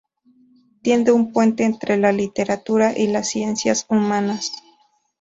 Tiende un puente entre la literatura y las ciencias humanas.